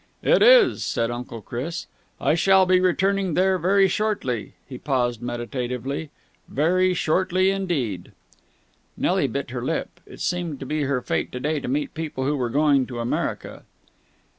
"It is!" said Uncle Chris. "I shall be returning there very shortly." He paused meditatively. "Very shortly indeed." Nelly bit her lip. It seemed to be her fate to day to meet people who were going to America.